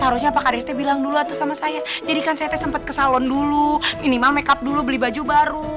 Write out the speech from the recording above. harusnya pak kariste bilang dulu sama saya jadikan ct sempat ke salon dulu minimal makeup dulu beli baju baru